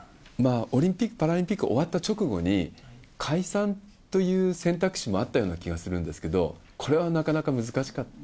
オリンピック・パラリンピック終わった直後に、解散という選択肢もあったような気がするんですけど、これはなかなか難しかった？